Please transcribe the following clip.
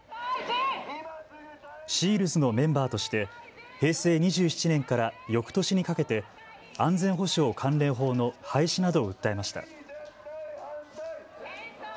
ＳＥＡＬＤｓのメンバーとして平成２７年からよくとしにかけて安全保障関連法の廃止などを訴えました。